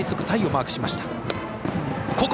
タイをマークしました。